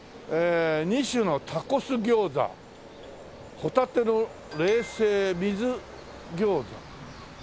「２種のタコス餃子」帆立の冷製水餃子。